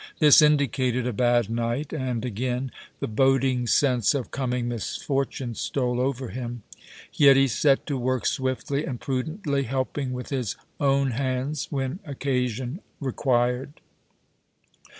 This indicated a bad night, and again the boding sense of coming misfortune stole over him. Yet he set to work swiftly and prudently, helping with his own hands when occasion required.